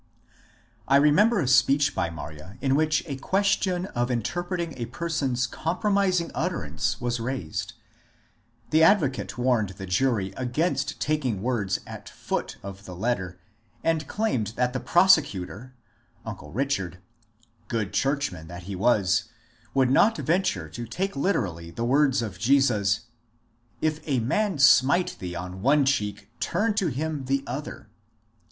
I remember a speech by Marye in which a question of interpreting a person's compromising utterance was raised, l^he advocate warned the jury against taking words at foot of the letter, and claimed that the prosecutor (uncle Richard), good churchman as he was, would not venture to take literally the words of Jesus, '^ If a man smite thee on one cheek, turn to him the other."